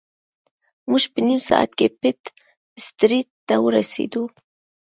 موږ په نیم ساعت کې پیټ سټریټ ته ورسیدو.